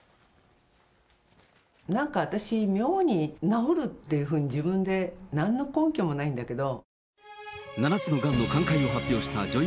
なんか私、妙に治るっていうふうに自分で、なんの根拠もないんだけど。